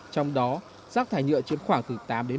trong đó rác thải nhựa chiếm khoảng từ tám ba mươi